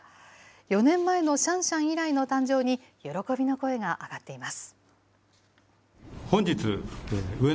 ４年前のシャンシャン以来の誕生に、喜びの声が上がっています。